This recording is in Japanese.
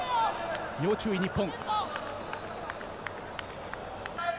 要注意、日本。